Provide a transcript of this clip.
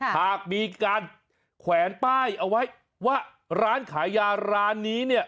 หากมีการแขวนป้ายเอาไว้ว่าร้านขายยาร้านนี้เนี่ย